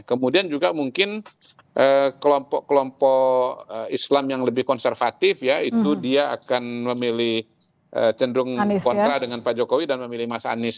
kemudian juga mungkin kelompok kelompok islam yang lebih konservatif ya itu dia akan memilih cenderung kontra dengan pak jokowi dan memilih mas anies